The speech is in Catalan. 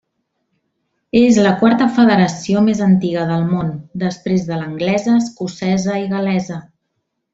És la quarta federació més antiga del món, després de l'anglesa, escocesa i gal·lesa.